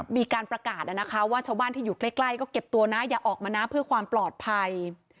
มีการประกาศนะคะว่าชาวบ้านที่อยู่ใกล้ก็เก็บตัวนะอย่าออกมานะเพื่อความปลอดภัย